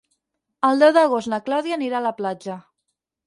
El deu d'agost na Clàudia anirà a la platja.